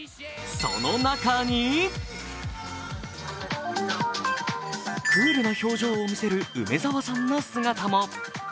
その中にクールな表情を見せる梅澤さんの姿も。